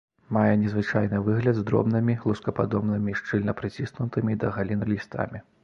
Мае незвычайны выгляд з дробнымі, лускападобнымі шчыльна прыціснутымі да галін лістамі.